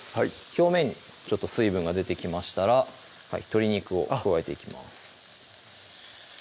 表面にちょっと水分が出てきましたら鶏肉を加えていきます